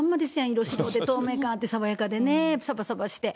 色白で透明感あって、爽やかでね、さばさばして。